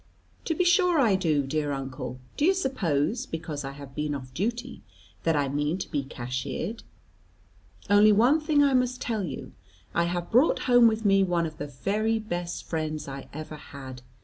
"To be sure I do, dear uncle; do you suppose, because I have been off duty, that I mean to be cashiered? Only one thing I must tell you; I have brought home with me one of the very best friends I ever had.